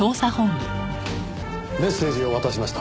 メッセージを渡しました。